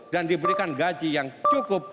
dan diberikan gaji yang cukup